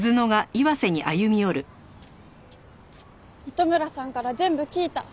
糸村さんから全部聞いた。